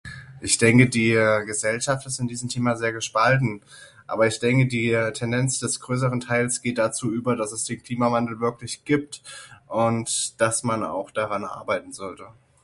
Ich denke die Gesellschaft ist in diesem Thema sehr gespalten aber ich denke die Tendenz des größeren Teils geht dazu über das es den Klimawandel wirklich gibt und das man auch daran arbeiten sollte.